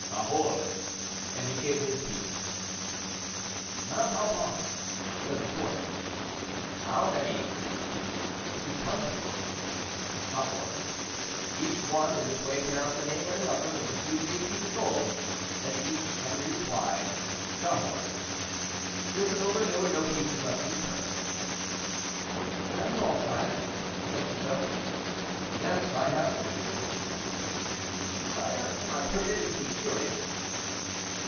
"Cahors;" and he gave him his piece. "Montauban," said the fourth. "How many?" "Six hundred."—"Cahors." Each one in this way pronounced a name and a number, and received a piece of gold, and to each Henri replied, "Cahors." This over, there were no pieces left in the purse. "That is all, sire," said Chicot. "Yes; I have finished." "Sire, am I permitted to be curious?"